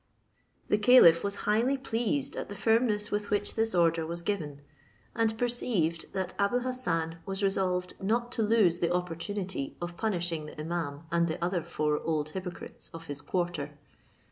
The caliph was highly pleased at the firmness with which this order was given, and perceived that Abou Hassan was resolved not to lose the opportunity of punishing the imaum and the other four old hypocrites of his quarter.